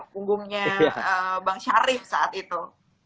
punggungnya bang syarif saat itu